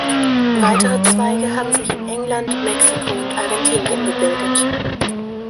Weitere Zweige haben sich in England, Mexico und Argentinien gebildet.